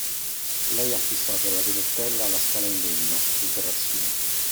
Lei ha fissato la rivoltella alla scala di legno, sul terrazzino.